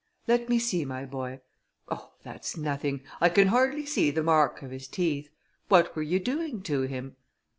"Let me see, my boy; oh! that's nothing, I can hardly see the mark of his teeth; what were you doing to him?"